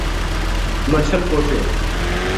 مچھل پوہچیو